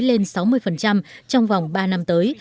lên sáu mươi trong vòng ba năm tới